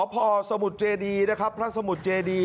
พอสมุทรเจดีนะครับพระสมุทรเจดี